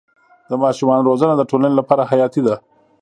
د ماشومانو روزنه د ټولنې لپاره حیاتي ده.